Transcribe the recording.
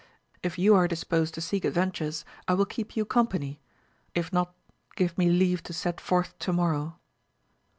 If you are disposed to seek adven tures I will keep you company : if not give me leave to set forth to morrow.